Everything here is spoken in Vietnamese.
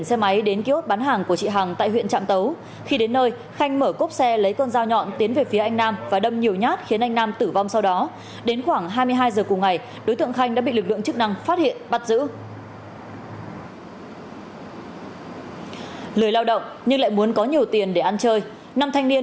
các bạn hãy đăng ký kênh để ủng hộ kênh của chúng mình nhé